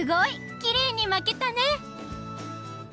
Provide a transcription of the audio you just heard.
きれいに巻けたね！